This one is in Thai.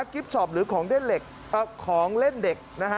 กิ๊บชอปหรือของเล่นเด็ก